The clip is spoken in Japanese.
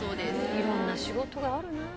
いろんな仕事があるなぁ。